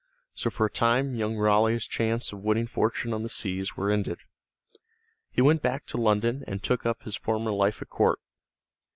So for a time young Raleigh's chances of winning fortune on the seas were ended. He went back to London, and took up his former life at court.